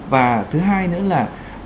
và thứ hai nữa là